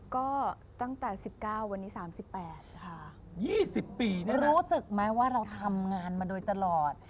จะรู้จึกไหมว่าเราทำงานมาได้ด้อยตลอด